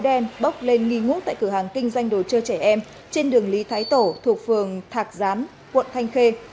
đen bốc lên nghi ngút tại cửa hàng kinh doanh đồ chơi trẻ em trên đường lý thái tổ thuộc phường thạc gián quận thanh khê